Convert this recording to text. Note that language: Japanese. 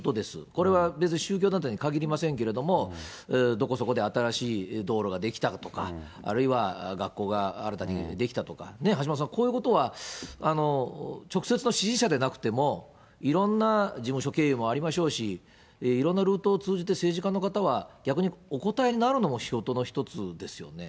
これは別に宗教団体にかぎりませんけれども、どこそこで新しい道路が出来ただとか、あるいは学校が新たに出来たとか、橋下さん、こういうことは直接の支持者でなくても、いろんな事務所経由もありましょうし、いろんなルートを通じて、政治家の方は逆にお応えになるのも仕事の一つですよね。